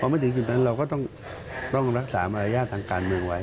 ไม่ถึงจุดนั้นเราก็ต้องรักษามารยาททางการเมืองไว้